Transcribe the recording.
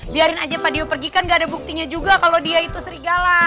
biarin aja padio pergi kan gak ada buktinya juga kalau dia itu serigala